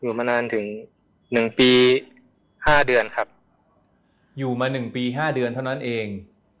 มานานถึง๑ปี๕เดือนครับอยู่มา๑ปี๕เดือนเท่านั้นเอง